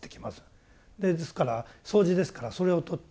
ですから掃除ですからそれを取って捨てます。